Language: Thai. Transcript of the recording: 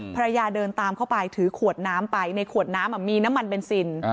ภรรยาเดินตามเข้าไปถือขวดน้ำไปในขวดน้ำมีน้ำมันเบนซิน